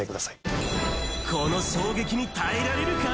この衝撃に耐えられるか？